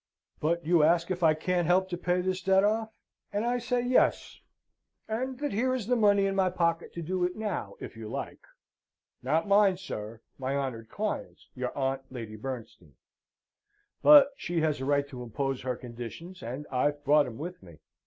"But you ask if I can't help to pay this debt off? And I say Yes and that here is the money in my pocket to do it now, if you like not mine, sir, my honoured client's, your aunt, Lady Bernstein. But she has a right to impose her conditions, and I've brought 'em with me."